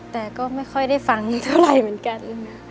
แต่ก็ไม่ค่อยได้ฟังเท่าไหร่เหมือนกัน